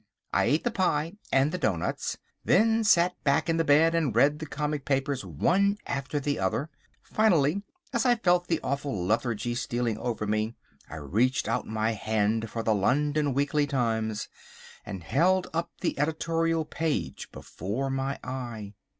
I ate the pie and the doughnuts, then sat back in the bed and read the comic papers one after the other. Finally, as I felt the awful lethargy stealing upon me, I reached out my hand for the London Weekly Times, and held up the editorial page before my eye.